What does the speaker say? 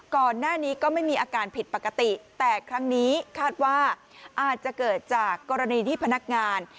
ก่อนหน้านี้ก็ไม่มีอาการผิดปกติแต่ครั้งนี้คาดว่าอาจจะเกิดจากกรณีที่พนักงาน